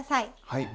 はい。